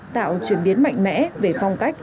tạo chuyển biến mạnh mẽ về phong cách